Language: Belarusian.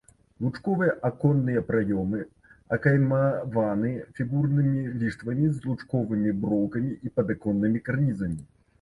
Лучковыя аконныя праёмы акаймаваны фігурнымі ліштвамі з лучковымі броўкамі і падаконнымі карнізамі.